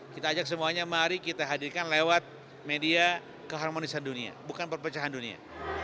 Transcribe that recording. kita ajak semuanya mari kita hadirkan lewat media keharmonisan dunia bukan perpecahan dunia